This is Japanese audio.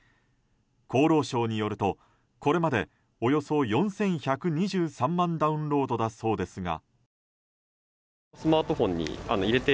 厚労省によると、これまでおよそ４１２３万ダウンロードだそうですが。